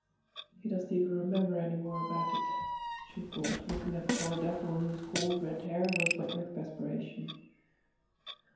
"He doesn't even remember any more about it," she thought, looking at the poor devil, whose coarse red hair was wet with perspiration.